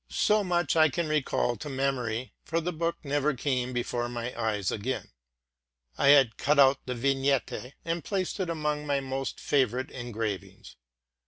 So much I can recall to memory, for the book never came before my eyes again. I had cut out the vignette, and placed it among my most favorite engravings.